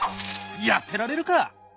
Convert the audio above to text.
やってられるか！